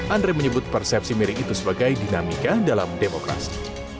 andre menyebut persepsi miring itu sebagai dinamika dalam demokrasi